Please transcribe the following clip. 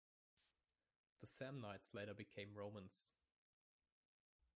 The Samnites later became Romans.